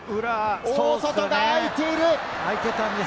大外が空いている！